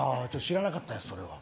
知らなかったですそれは。